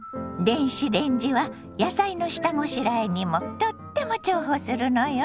電子レンジは野菜の下ごしらえにもとっても重宝するのよ。